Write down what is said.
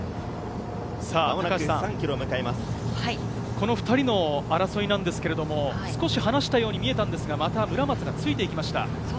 高橋さん、この２人の争いなんですけれども、少し離したように見えたんですが、また村松がついて行きました。